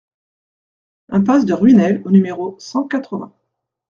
Impasse de Ruinel au numéro cent quatre-vingts